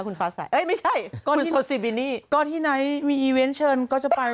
คุณฟ้าใส่เอ้ยไม่ใช่คุณโซซีบินี่ก็ที่ไหนมีก็จะไป